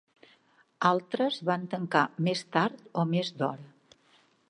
Altres van tancar més tard o més d'hora.